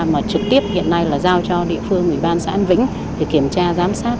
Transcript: mà trực tiếp hiện nay là giao cho địa phương ủy ban xã an vĩnh để kiểm tra giám sát